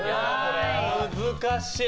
難しい。